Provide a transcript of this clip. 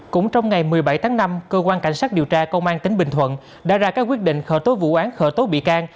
cũng trong ngày một mươi bảy tháng năm cơ quan cảnh sát điều tra công an tỉnh bình thuận đã ra các quyết định khởi tố vụ án khởi tố bị can